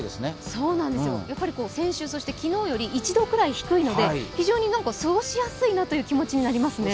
そうなんですよ、先週、そして昨日より１度くらい低いので非常に過ごしやすいなという気持ちになりますね。